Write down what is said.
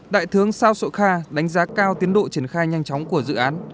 đại tướng sao sổ kha đánh giá cao tiến độ triển khai nhanh chóng của dự án